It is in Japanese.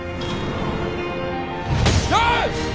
よし！